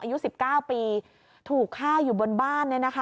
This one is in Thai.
อายุ๑๙ปีถูกฆ่าอยู่บนบ้าน